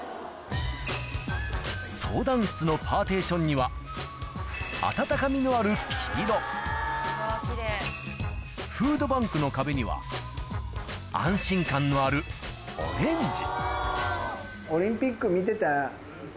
相談室のパーティションには温かみのあるフードバンクの壁には安心感のある俺たち。